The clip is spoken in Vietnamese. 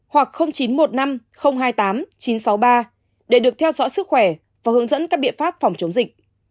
hoặc chín trăm một mươi năm hai mươi tám chín trăm sáu mươi ba để được theo dõi sức khỏe và hướng dẫn các biện pháp phòng chống dịch